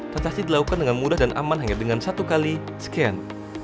tatasi dilakukan dengan mudah dan aman hanya dengan satu kali sekian